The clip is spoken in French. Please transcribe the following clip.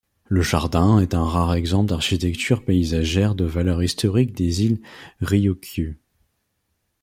Le jardin est un rare exemple d'architecture paysagère de valeur historique des îles Ryūkyū.